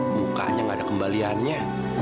mukanya gak ada kembaliannya